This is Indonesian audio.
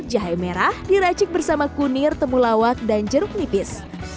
jahe merah diracik bersama kunir temulawak dan jeruk nipis